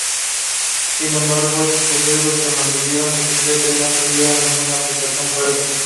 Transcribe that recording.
Sin embargo estos hallazgos se mantuvieron en secreto y no tuvieron ninguna aplicación práctica.